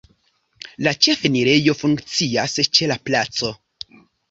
La ĉefenirejo funkcias ĉe la placo.